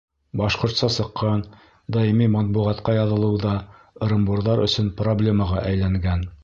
Башҡортса сыҡҡан даими матбуғатҡа яҙылыу ҙа ырымбурҙар өсөн проблемаға әйләнгән.